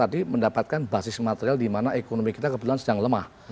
tadi mendapatkan basis material di mana ekonomi kita kebetulan sedang lemah